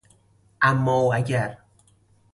اماو اگر